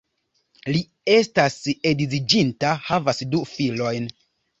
Li estas edziĝinta, havas du filojn.